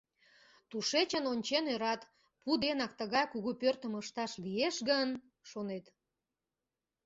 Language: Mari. Тушечын ончен ӧрат: «Пу денак тыгай кугу пӧртым ышташ лиеш гын?» — шонет.